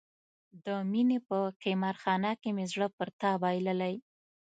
د مینې په قمار خانه کې مې زړه پر تا بایللی.